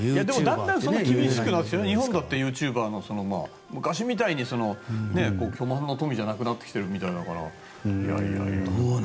だんだん厳しくなって日本だってユーチューバーは昔みたいに巨万の富じゃなくなってきてるみたいだから。